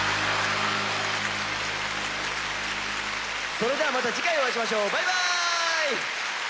それではまた次回お会いしましょうバイバーイ！